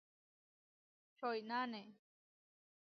Čoináne.